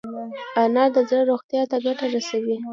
انار د زړه روغتیا ته ګټه رسوي.